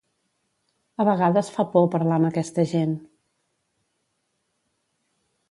A vegades fa por parlar amb aquesta gent.